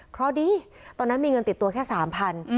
เพราะดีตอนนั้นมีเงินติดตัวแค่๓๐๐บาท